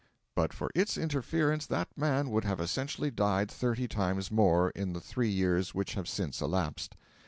But for its interference that man would have essentially died thirty times more, in the three years which have since elapsed.